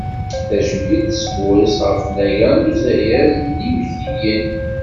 Tajmilt tesmurres ɣef tnaga n uzayez d yimekkiyen.